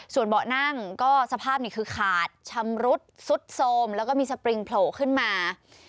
ส่วนเบาะนั่งก็สภาพนี่คือขาดชำรุดซุดโทรมแล้วก็มีสปริงโผล่ขึ้นมา